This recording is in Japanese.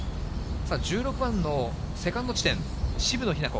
さあ、１６番のセカンド地点、渋野日向子。